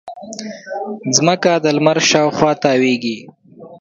مځکه د لمر شاوخوا تاوېږي.